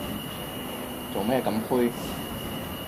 做咩咁灰